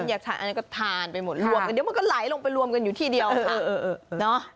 อันนี้ก็ทานไปหมดแล้วเดี๋ยวมันก็ไหลลงไปรวมกันอยู่ที่เดียวค่ะ